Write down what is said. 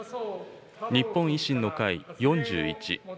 日本維新の会４１。